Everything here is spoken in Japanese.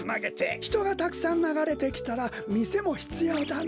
ひとがたくさんながれてきたらみせもひつようだな。